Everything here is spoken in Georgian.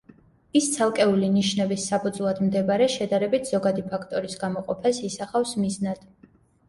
ის ცალკეული ნიშნების საფუძვლად მდებარე, შედარებით ზოგადი ფაქტორის გამოყოფას ისახავს მიზნად.